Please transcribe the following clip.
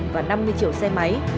và năm mươi triệu xe máy